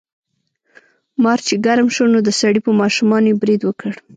مار چې ګرم شو نو د سړي په ماشومانو یې برید وکړ.